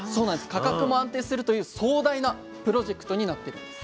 価格も安定するという壮大なプロジェクトになってるんです。